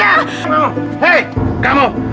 saya bunuh kamu